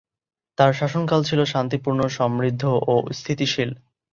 তার শাসনকাল ছিল শান্তিপূর্ণ, সমৃদ্ধ ও স্থিতিশীল।